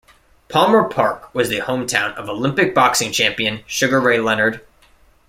Palmer Park was the hometown of Olympic boxing champion Sugar Ray Leonard.